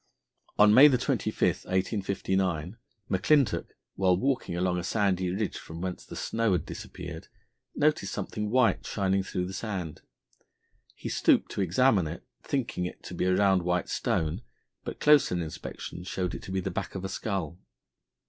On May 25, 1859, McClintock, while walking along a sandy ridge from whence the snow had disappeared, noticed something white shining through the sand. He stooped to examine it, thinking it to be a round white stone, but closer inspection showed it to be the back of a skull.